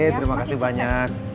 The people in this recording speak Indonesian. terima kasih banyak